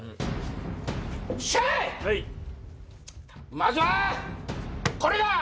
まずはこれだ！